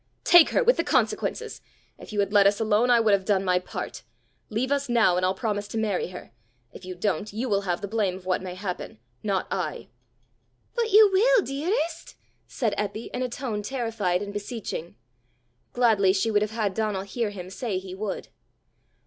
take her with the consequences! If you had let us alone, I would have done my part. Leave us now, and I'll promise to marry her. If you don't, you will have the blame of what may happen not I." "But you will, dearest?" said Eppy in a tone terrified and beseeching. Gladly she would have had Donal hear him say he would.